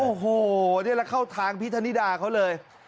โอ้โหนี่แหละเข้าทางพี่ธนิดาเขาเลย